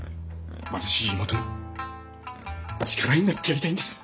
貧しい妹の力になってやりたいんです！